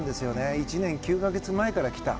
１年９か月前から来た。